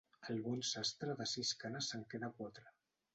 El bon sastre de sis canes se'n queda quatre.